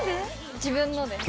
自分のです。